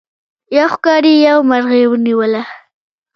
یو ښکاري یو مرغۍ ونیوله.